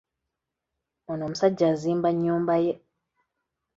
Ono omusajja azimba nnyumba ye.